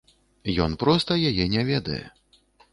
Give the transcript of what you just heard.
Ён проста яе не ведае.